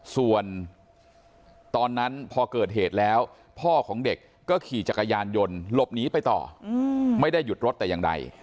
ส่วนตอนนั้นพอเกิดเหตุแล้วพ่อของเด็กก็ขี่จักรยานยนต์หลบหนีไปต่อไม่ได้หยุดรถแต่อย่างใด